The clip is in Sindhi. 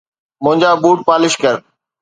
منهنجا بوٽ پالش ڪر